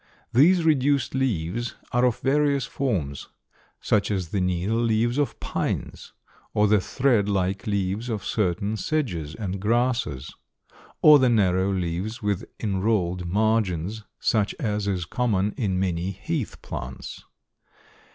These reduced leaves are of various forms, such as the needle leaves of pines, or the thread like leaves of certain sedges and grasses, or the narrow leaves with inrolled margins such as is common in many heath plants.